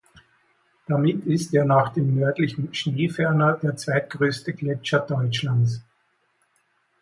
Damit ist er nach dem Nördlichen Schneeferner der zweitgrößte Gletscher Deutschlands.